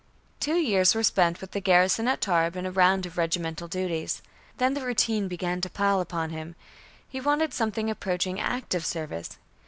Two years were spent with the garrison at Tarbes, in a round of regimental duties. Then the routine began to pall upon him. He wanted something approaching active service.